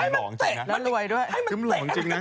ให้มันเตะก็ยอมอย่างนี้